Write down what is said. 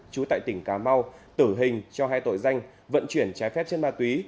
trú tại tỉnh cà mau tử hình cho hai tội danh vận chuyển trái phép chất ma túy